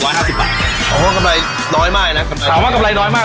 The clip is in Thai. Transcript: ร้อยห้าสิบบาทอ๋อกำไรน้อยมากนะถามว่ากำไรน้อยมาก